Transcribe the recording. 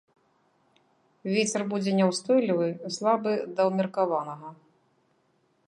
Вецер будзе няўстойлівы, слабы да ўмеркаванага.